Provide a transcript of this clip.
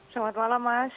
selamat malam mas